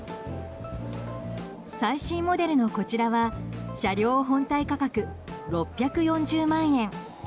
最新モデルの、こちらは車両本体価格６４０万円。